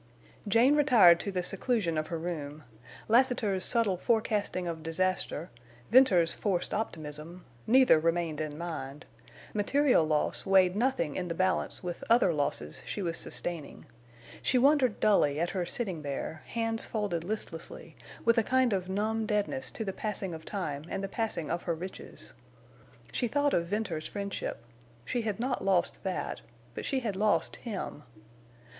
Jane retired to the seclusion of her room. Lassiter's subtle forecasting of disaster, Venters's forced optimism, neither remained in mind. Material loss weighed nothing in the balance with other losses she was sustaining. She wondered dully at her sitting there, hands folded listlessly, with a kind of numb deadness to the passing of time and the passing of her riches. She thought of Venters's friendship. She had not lost that, but she had lost him.